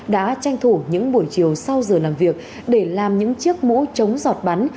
đã tranh thủ những buổi chiều sau giờ làm việc để làm những chiếc mũ chống giọt bắn